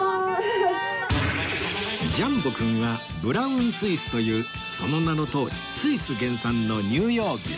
ジャンボくんはブラウンスイスというその名のとおりスイス原産の乳用牛